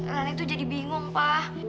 rani tuh jadi bingung pa